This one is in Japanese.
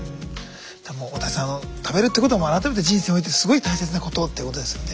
大谷さん食べるってことは改めて人生においてすごい大切なことってことですよね。